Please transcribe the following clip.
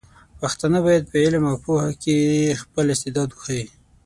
پښتانه بايد په علم او پوهه کې خپل استعدادونه وښيي.